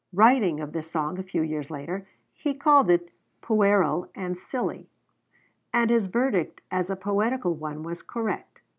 Writing of this song a few years later, he called it puerile and silly; and his verdict as a poetical one was correct.